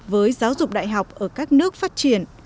với giáo dục đại học ở các nước phát triển